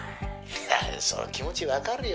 いやその気持ちわかるよ。